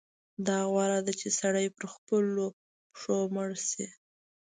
دا غوره ده چې سړی پر خپلو پښو مړ شي.